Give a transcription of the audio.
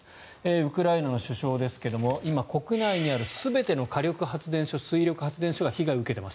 ウクライナの首相ですが今、国内にある全ての火力発電所、水力発電所が被害を受けています。